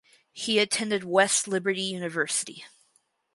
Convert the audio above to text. He attended West Liberty University.